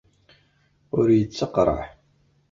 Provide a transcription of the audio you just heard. Ur yettaqraḥ.